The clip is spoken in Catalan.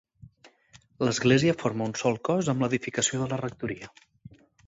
L'església forma un sol cos amb l'edificació de la rectoria.